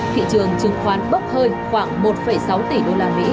thị trường chứng khoán bốc hơi khoảng một sáu tỷ usd trên cả hai sản chứng khoán tp hcm và hà nội